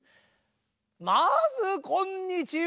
まずこんにちは。